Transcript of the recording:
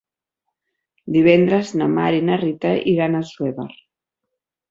Divendres na Mar i na Rita iran a Assuévar.